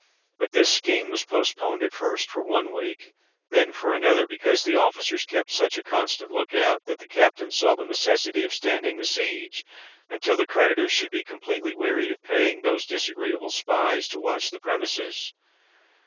But this scheme was postponed at first for one week—then for another, because the officers kept such a constant look out, that the captain saw the necessity of standing the siege until the creditors should be completely wearied of paying those disagreeable spies to watch the premises.